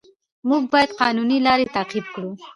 موږ باید قانوني لارې تعقیب کړو